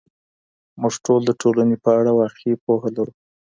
موږ ټول د ټولنې په اړه واقعي پوهه لرو.